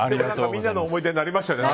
みんなの思い出になりましたよね。